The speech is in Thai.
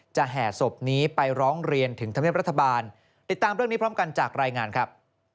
แห่ศพนี้ไปร้องเรียนถึงธรรมเนียบรัฐบาลติดตามเรื่องนี้พร้อมกันจากรายงานครับ